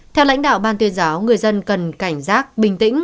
theo lãnh đạo ban tuyên giáo người dân cần cảnh giác bình tĩnh